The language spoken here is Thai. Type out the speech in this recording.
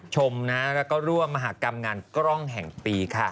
ชมและร่วมมหากรรมงานกล้องแห่งปี